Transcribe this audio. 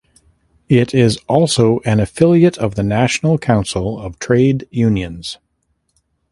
It is also an affiliate of the National Council of Trade Unions.